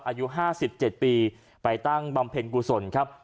อายุห้าสิบเจ็ดปีไปตั้งบำเพ็ญกุศลครับ